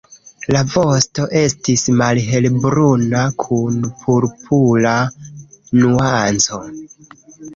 La vosto estis malhelbruna kun purpura nuanco.